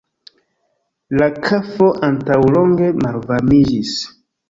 La kafo antaŭlonge malvarmiĝis.